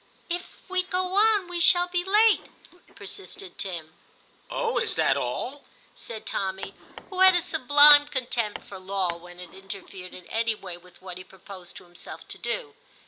'If we go on, we shall be late,' persisted Tim. 130 TIM CHAP. * Oh ! is that all ?' said Tommy, who had a sublime contempt for law when it interfered in any way with what he proposed to himself to do.